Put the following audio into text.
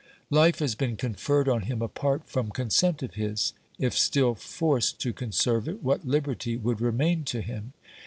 Life has been conferred on him apart from consent of his ; if still forced to conserve it, what liberty would remain to him